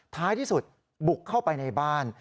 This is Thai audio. ท้ายที่สุดบุกเข้าไปในบ้าน